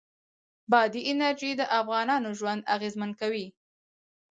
بادي انرژي د افغانانو ژوند اغېزمن کوي.